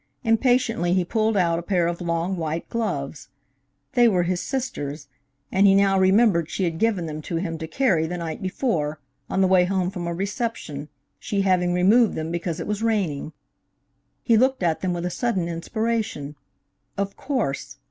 Impatiently he pulled out a pair of long white gloves. They were his sister's, and he now remembered she had given them to him to carry the night before, on the way home from a reception, she having removed them because it was raining. He looked at them with a sudden inspiration. Of course!